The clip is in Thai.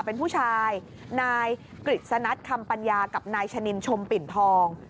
เป็นผู้ชายนายกฤษณัฐคำปัญญากับนายชะนินชมปิ่นทอง